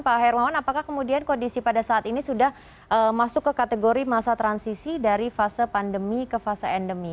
pak hermawan apakah kemudian kondisi pada saat ini sudah masuk ke kategori masa transisi dari fase pandemi ke fase endemi